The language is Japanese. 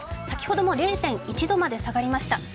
先ほども０．１度まで下がりました。